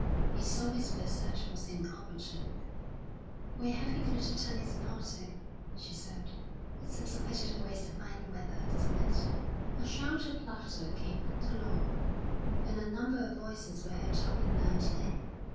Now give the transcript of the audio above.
He saw his visit was inopportune. "We're having a little tennis party," she said, "It seems a pity to waste the fine weather, doesn't it?" A shout of laughter came from the lawn, and a number of voices were heard talking loudly.